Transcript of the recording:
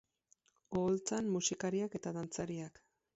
Oholtzan, musikariak eta dantzariak.